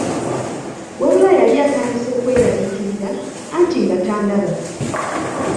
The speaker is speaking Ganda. Wabula yali atandise kweraliikirira anti nga tandaba.